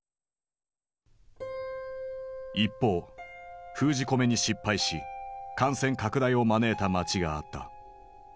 一方封じ込めに失敗し感染拡大を招いた街があった。